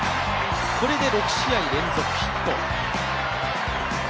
これで６試合連続ヒット。